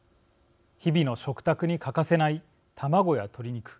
日々の食卓に欠かせない卵や鶏肉。